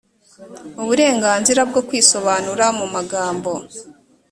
uburenganzira bwo kwisobanura mu magambo